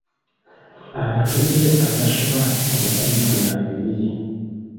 Abatuuze abasoba mu lukumi ku byalo bibiri